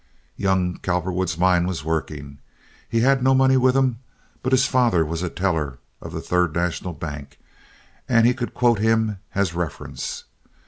Young Cowperwood's mind was working. He had no money with him; but his father was teller of the Third National Bank, and he could quote him as reference.